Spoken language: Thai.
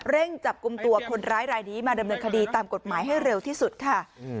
จับกลุ่มตัวคนร้ายรายนี้มาดำเนินคดีตามกฎหมายให้เร็วที่สุดค่ะ